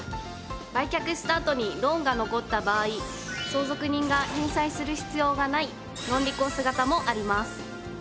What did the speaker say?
売却したあとにローンが残った場合相続人が返済する必要がないノンリコース型もあります。